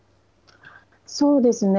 そうですね。